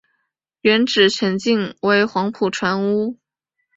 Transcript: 原址全境为黄埔船坞。